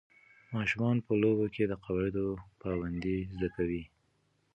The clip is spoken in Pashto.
ماشومان په لوبو کې د قواعدو پابندۍ زده کوي.